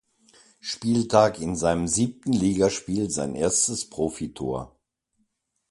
Spieltag in seinem siebten Ligaspiel sein erstes Profitor.